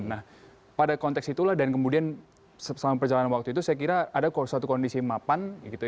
nah pada konteks itulah dan kemudian selama perjalanan waktu itu saya kira ada suatu kondisi mapan